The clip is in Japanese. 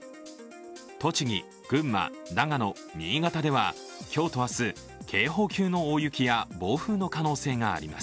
栃木、群馬、長野、新潟では今日と明日、警報級の大雪や暴風の可能性があります。